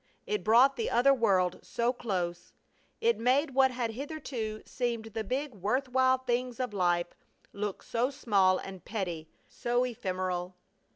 It brought the other world so close. It made what had hitherto seemed the big worth while things of life look so small and petty, so ephemeral!